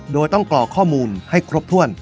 โดยต้องกรอกข้อมูลให้ครบถ้วน